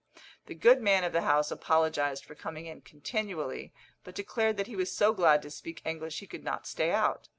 The good man of the house apologised for coming in continually, but declared that he was so glad to speak English he could not stay out.